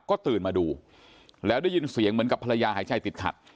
ก็ตื่นมาดูแล้วได้ยินเสียงเหมือนกับภรรยาหายใจติดขัด